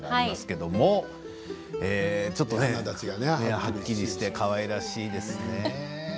目鼻立ちがはっきりしてかわいらしいですね。